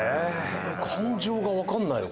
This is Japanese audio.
感情がわからないよ。